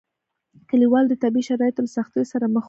کلیوالو د طبیعي شرایطو له سختیو سره مخ وو.